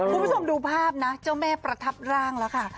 คุณผู้ชมดูภาพนะเจ้าแม่ประทับร่างแล้วค่ะ